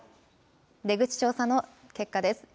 出口調査の結果です。